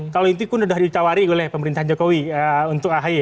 kalau intiku sudah ditawari oleh pemerintahan jokowi untuk ahi